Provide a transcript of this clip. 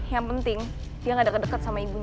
yang penting dia gak deket deket sama ibunya